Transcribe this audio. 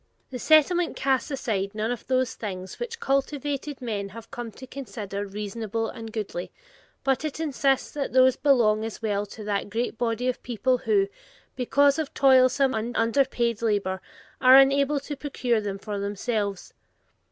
The Settlement casts side none of those things which cultivated men have come to consider reasonable and goodly, but it insists that those belong as well to that great body of people who, because of toilsome and underpaid labor, are unable to procure them for themselves.